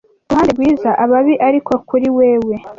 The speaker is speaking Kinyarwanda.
Ku ruhande rwiza; ababi, ariko kuri wewe,